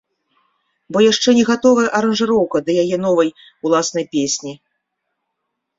Бо яшчэ не гатовая аранжыроўка да яе новай уласнай песні.